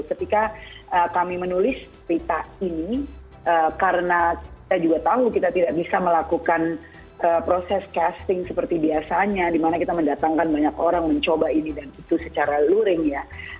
ketika kami menulis berita ini karena kita juga tahu kita tidak bisa melakukan proses casting seperti biasanya dimana kita mendatangkan banyak orang mencoba ini dan itu secara luring ya